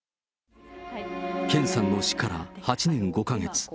健さんの死から８年５か月。